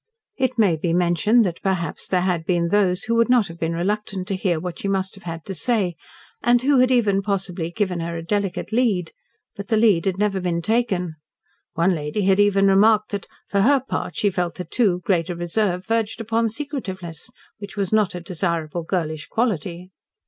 It may be mentioned that, perhaps, there had been those who would not have been reluctant to hear what she must have had to say, and who had even possibly given her a delicate lead. But the lead had never been taken. One lady had even remarked that, on her part, she felt that a too great reserve verged upon secretiveness, which was not a desirable girlish quality.